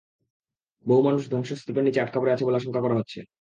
বহু মানুষ ধ্বংসস্তূপের নিচে আটকা পড়ে আছে বলে আশঙ্কা করা হচ্ছে।